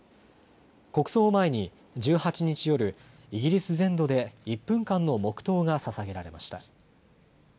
国葬を前に１８日夜、イギリス全土で１分間の黙とうがささげられました。